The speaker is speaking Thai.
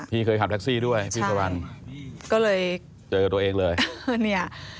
พี่เคยขับแท็กซี่ด้วยพี่สวรรค์เจอตัวเองเลย